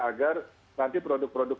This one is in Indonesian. agar nanti produk produk